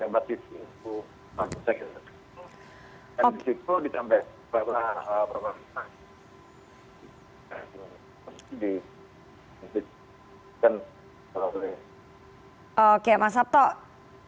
mas sabto kita tidak bisa mendengar dengan jelas apa yang anda sampaikan di akhir